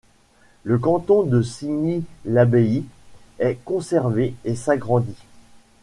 Le canton de Signy-l'Abbaye est conservé et s'agrandit.